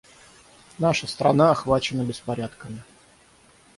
Наша страна охвачена беспорядками.